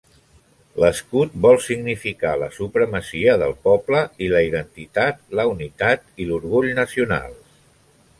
L'escut vol significar la supremacia del poble i la identitat, la unitat i l'orgull nacionals.